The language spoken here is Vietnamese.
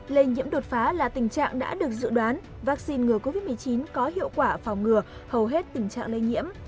lây nhiễm đột phá là tình trạng đã được dự đoán vaccine ngừa covid một mươi chín có hiệu quả phòng ngừa hầu hết tình trạng lây nhiễm